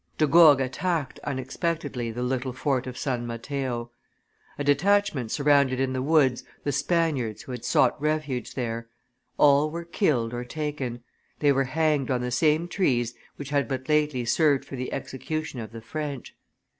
De Gourgues attacked unexpectedly the little fort of San Mateo; a detachment surrounded in the woods the Spaniards who had sought refuge there; all were killed or taken; they were hanged on the same trees which had but lately served for the execution of the French.